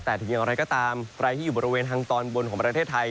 แต่ถึงอย่างไรก็ตามใครที่อยู่บริเวณทางตอนบนของประเทศไทย